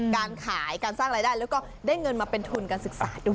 การขายการสร้างรายได้แล้วก็ได้เงินมาเป็นทุนการศึกษาด้วย